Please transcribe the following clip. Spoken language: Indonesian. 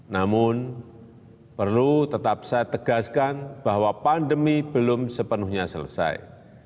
namun perlu tetap saya tegaskan bahwa pandemi belum sepenuhnya selesai